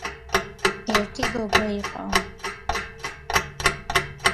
ერთი გოგო იყო